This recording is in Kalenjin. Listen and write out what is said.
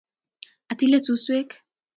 atile suskwek